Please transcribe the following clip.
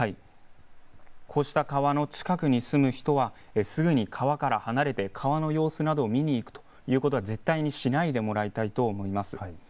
こうした川の近くに住む人はすぐに川から離れて川の様子などを見に行くということは絶対しないでもらいたいと思います。